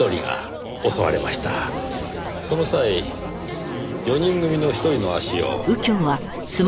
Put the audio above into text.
その際４人組の一人の足を。